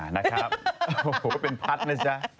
นะครับโอ้โหเป็นพัดนะจ๊ะ